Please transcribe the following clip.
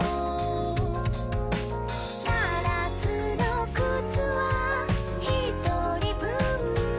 「ガラスのくつはひとりぶん」